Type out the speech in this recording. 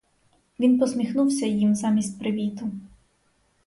Він посміхнувся їм замість привіту.